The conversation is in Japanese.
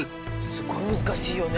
すごい難しいよね